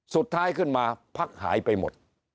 สุดท้ายขึ้นมาพักหายไปหมด